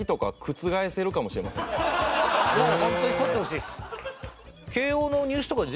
もうホントに取ってほしいです。